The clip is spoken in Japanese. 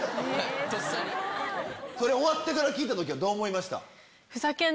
終わってから聞いた時はどう思いました？